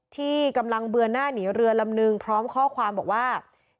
ที่กำลังเบือนหน้าหนีเรือลำนึงพร้อมข้อความบอกว่า